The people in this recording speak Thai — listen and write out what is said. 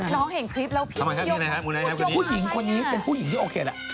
น้องเห็นคลิปแล้วผู้หญิงคนนี้เป็นผู้หญิงที่โอเคแหละ